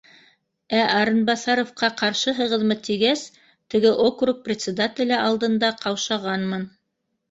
Ә, Арынбаҫаровҡа ҡаршыһығыҙмы, тигәс, теге округ председателе алдында ҡаушағанмын